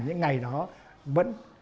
những ngày đó vẫn